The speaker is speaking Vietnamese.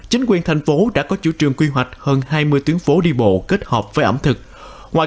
chính quyền thành phố đã có chủ trường quy hoạch hơn hai mươi tuyến phố đi bộ kết hợp với ẩm thực ngoài